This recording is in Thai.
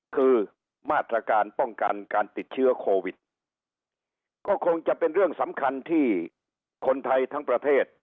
คือมาตรการป้องกันการติดเชื้อโควิดก็คงจะเป็นเรื่องสำคัญที่คนไทยทั้งประเทศ